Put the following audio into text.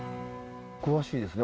詳しいですね。